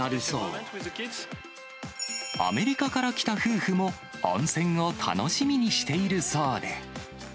アメリカから来た夫婦も、温泉を楽しみにしているそうで。